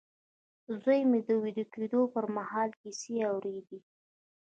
زوی مې د ويده کېدو پر مهال کيسې اورېدې.